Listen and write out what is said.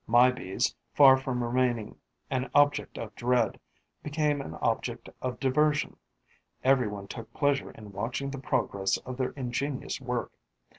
My Bees, far from remaining an object of dread, became an object of diversion; every one took pleasure in watching the progress of their ingenious work.